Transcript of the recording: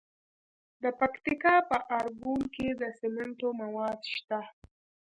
د پکتیکا په ارګون کې د سمنټو مواد شته.